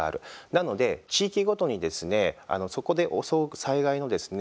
なので、地域ごとにですねそこで襲う災害のですね